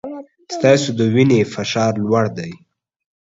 ستاسو د وینې فشار لوړ دی.